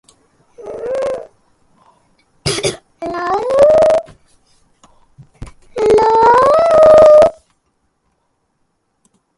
After the incident the aircraft was renamed "Clipper New Horizons".